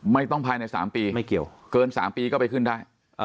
ไม่ต้องภายใน๓ปีเกิน๓ปีก็ไปขึ้นได้